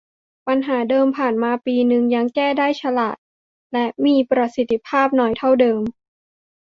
ปัญหาเดิมผ่านมาปีนึงยังแก้ได้ฉลาดและมีประสิทธิภาพน้อยเท่าเดิม